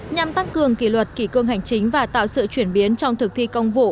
nhằm tăng cường kỳ luật kỳ cương hành chính và tạo sự chuyển biến trong thực thi công vụ